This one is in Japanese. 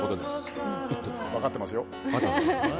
分かってますよ。